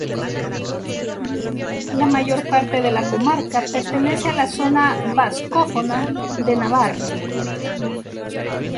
La mayor parte de la comarca pertenece a la Zona Vascófona de Navarra.